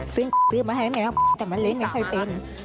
ซึ่งซื้อมาให้แมวแต่มันเล่นไม่ค่อยเป็น